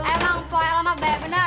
emang po lama be benar